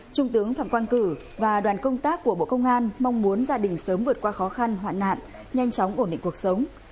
trung tướng phạm quang cử và đoàn công tác của bộ công an mong muốn gia đình sớm vượt qua khó khăn hoạn nạn nhanh chóng ổn định cuộc sống